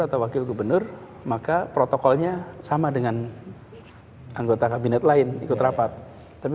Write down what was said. atau wakil gubernur maka protokolnya sama dengan anggota kabinet lain ikut rapat tapi